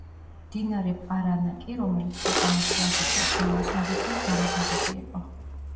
მდინარე პარანა კი, რომელიც ქვეყანას შუაზე კვეთს, ნაოსნობისთვის გამოსადეგი იყო.